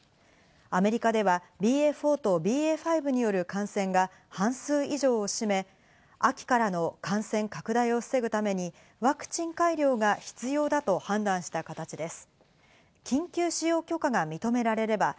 アメリカではＢＡ．４とＢＡ．５による感染が半数以上を占め、秋からの感染拡大を防ぐためにワクチン改良が必要だと判断した形です。